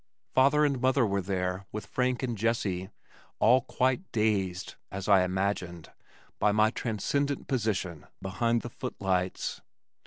Father and mother were there with Frank and Jessie, all quite dazed (as I imagined) by my transcendent position behind the foot lights.